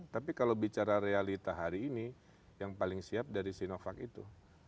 tapi kalau bicara realita hari ini yang paling siap dari sinovac itu